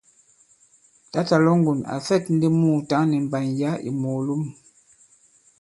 Tǎtà Lɔ̌ŋgon à fɛ̂k ndi mùùtǎŋ nì mbàn yǎ ì mòòlom.